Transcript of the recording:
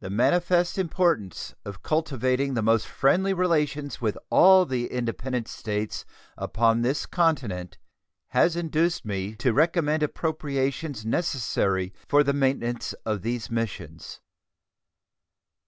The manifest importance of cultivating the most friendly relations with all the independent States upon this continent has induced me to recommend appropriations necessary for the maintenance of these missions.